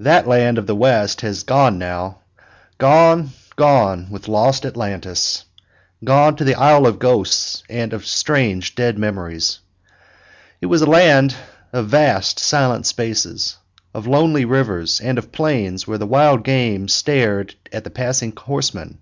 That land of the West has gone now, "gone, gone with lost Atlantis," gone to the isle of ghosts and of strange dead memories. It was a land of vast silent spaces, of lonely rivers, and of plains where the wild game stared at the passing horseman.